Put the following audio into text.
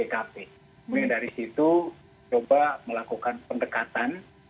kemudian dari situ coba melakukan pendekatan